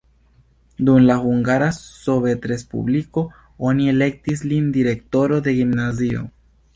Dum la Hungara Sovetrespubliko oni elektis lin direktoro de gimnazio.